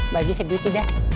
bagi sedikit dah